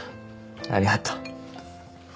ありがとう。